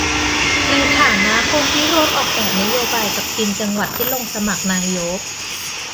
ในฐานะคนที่ร่วมออกแบบนโยบายกับทีมจังหวัดที่ลงสมัครนายก